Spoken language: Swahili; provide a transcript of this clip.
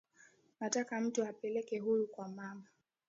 Nataka mtu ampeleke huyu kwa mama